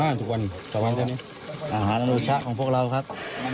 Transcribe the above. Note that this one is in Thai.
ล้านทุกวันทั้งห้านทุกวันอาหารโรชะของพวกเราครับ